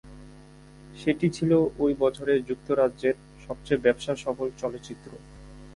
সেটি ছিলো ঐ বছরে যুক্তরাজ্যের সবচেয়ে ব্যবসাসফল চলচ্চিত্র।